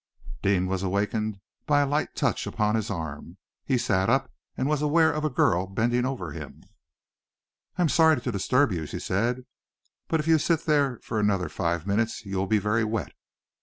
Deane was awakened by a light touch upon his arm. He sat up, and was aware of a girl bending over him. "I am sorry to disturb you," she said, "but if you sit there for another five minutes, you will be very wet."